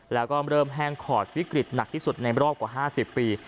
แล้วก็เริ่มแห้งขอดวิกฤตหนักที่สุดในรอบกว่า๕๐ปี